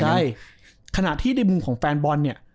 ใช่ขณะที่ในมุมของแฟนบอลเนี่ย